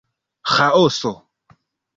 Ĥaoso.